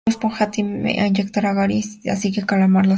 Bob Esponja teme inyectar a Gary, así que Calamardo acepta hacerlo.